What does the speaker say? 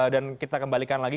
dan kita kembalikan lagi